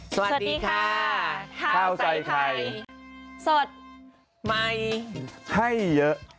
สวัสดีค่ะข้าวใส่ไข่สดใหม่ให้เยอะ